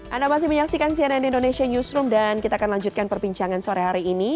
anda masih menyaksikan cnn indonesia newsroom dan kita akan lanjutkan perbincangan sore hari ini